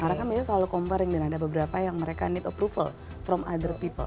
karena kan biasanya selalu comparing dan ada beberapa yang mereka need approval from other people